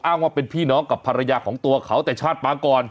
ว่าเป็นพี่น้องกับภรรยาของตัวเขาแต่ชาติปางก่อน